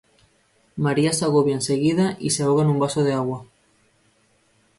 María se agobia enseguida y se ahoga en un vaso de agua